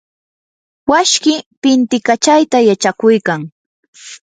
washkii pintikachayta yachakuykan.